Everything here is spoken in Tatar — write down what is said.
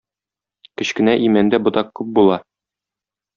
Кечкенә имәндә ботак күп була.